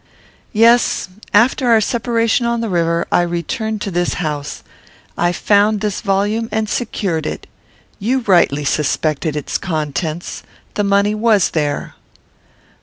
"Yes. After our separation on the river, I returned to this house. I found this volume and secured it. You rightly suspected its contents. The money was there."